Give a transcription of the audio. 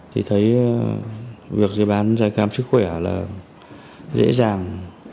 thấy việc giấy bán giấy khám sức khỏe là dễ dàng